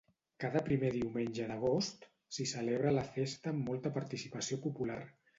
Cada primer diumenge d'agost s'hi celebra la festa amb molta participació popular.